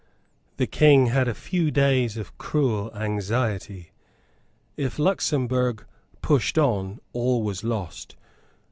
The King had a few days of cruel anxiety. If Luxemburg pushed on, all was lost.